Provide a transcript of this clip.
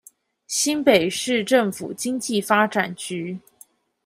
新北市政府經濟發展局